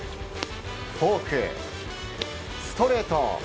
フォーク、ストレート